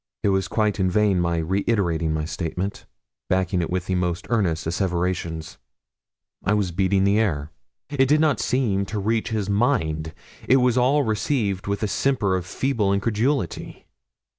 It was quite in vain my reiterating my statement, backing it with the most earnest asseverations. I was beating the air. It did not seem to reach his mind. It was all received with a simper of feeble incredulity.